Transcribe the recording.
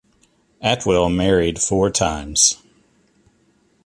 Atwill married four times.